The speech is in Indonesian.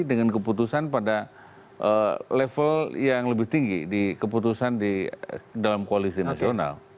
dengan keputusan pada level yang lebih tinggi di keputusan di dalam koalisi nasional